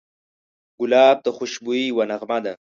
ګلاب د خوشبویۍ یوه نغمه ده.